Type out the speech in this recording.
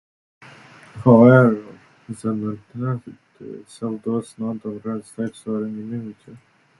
However, the Nonintercourse Act itself does not abrogate state sovereign immunity.